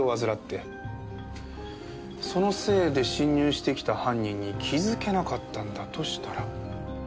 そのせいで侵入してきた犯人に気づけなかったんだとしたら。